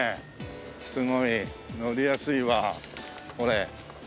すごい乗りやすいわこれ。